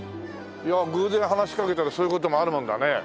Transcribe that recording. いや偶然話しかけたらそういう事もあるもんだね。